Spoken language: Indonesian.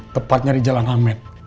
tepatnya di jalan hamed